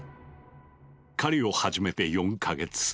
狩りを始めて４か月。